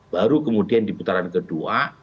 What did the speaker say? baru kemudian di putaran kedua